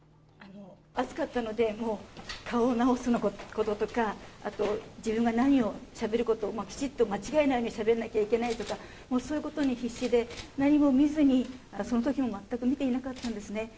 暑かったので、顔を直すこととか、あと自分が何をしゃべることを、きちっと間違えないようにしゃべらなきゃいけないとか、そういうことに必死で、何も見ずに、そのときも全く見ていなかったんですね。